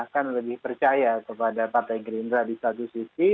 kepada pak gerinda di satu sisi